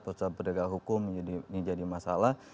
persoalan pedagang hukum ini jadi masalah